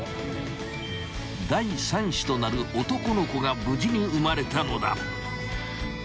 ［第３子となる男の子が無事に生まれたのだ］